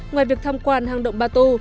ngoài việc thăm quan hang động batu